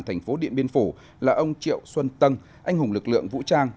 thành phố điện biên phủ là ông triệu xuân tân anh hùng lực lượng vũ trang